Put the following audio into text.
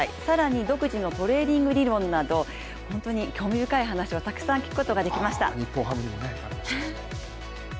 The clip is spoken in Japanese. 更に独自のトレーニング理論など本当に興味深い話をたくさん聞くことができました。